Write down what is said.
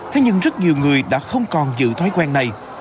thế nhưng rất nhiều người đã không còn giữ thói quen này